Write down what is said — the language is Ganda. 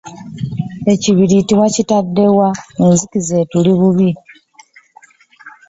Ekibiriiti wakitadde wa? Enzikiza etuli bubi.